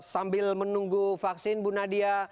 sambil menunggu vaksin bu nadia